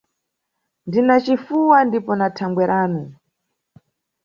Ndina cifuwa ndipo na thangweranu.